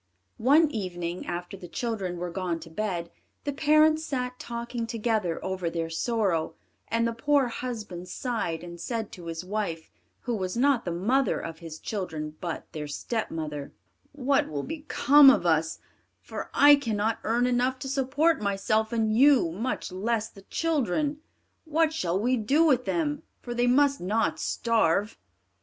One evening, after the children were gone to bed, the parents sat talking together over their sorrow, and the poor husband sighed, and said to his wife, who was not the mother of his children, but their stepmother, "What will become of us, for I cannot earn enough to support myself and you, much less the children? what shall we do with them, for they must not starve?"